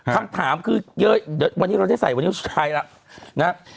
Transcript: คำถามคือเดี๋ยววันนี้เราจะใส่วันนี้เราจะใช้ล่ะนะฮะ